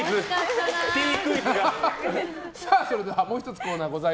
それではもう１つのコーナー